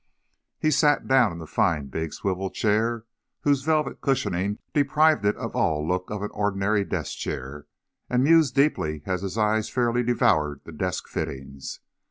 He sat down in the fine big swivel chair, whose velvet cushioning deprived it of all look of an ordinary desk chair, and mused deeply as his eyes fairly devoured the desk fittings.